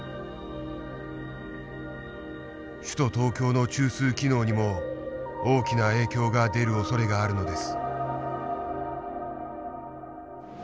首都東京の中枢機能にも大きな影響が出るおそれがあるのです。